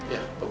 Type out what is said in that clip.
iya kan abah